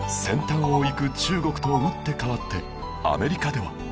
先端をいく中国と打って変わってアメリカでは